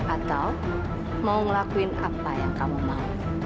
atau mau ngelakuin apa yang kamu mau